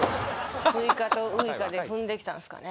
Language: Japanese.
スイカとウイカで踏んできたんですかね